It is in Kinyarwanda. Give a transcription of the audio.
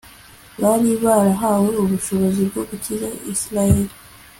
bari barahawe ubushobozi bwo gukiza israheli